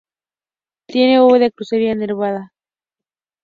Tiene bóveda de crucería nervada.